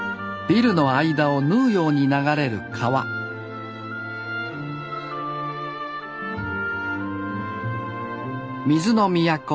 ビルの間を縫うように流れる川水の都大阪市。